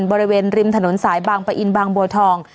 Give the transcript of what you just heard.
บริเวณริมถนนสายบางปะอินบางบัวทอง